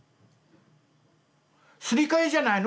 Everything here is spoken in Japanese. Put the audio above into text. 「すり替えじゃないの？